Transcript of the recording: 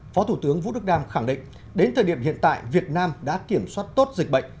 phó thủ tướng vũ đức đam khẳng định đến thời điểm hiện tại việt nam đã kiểm soát tốt dịch bệnh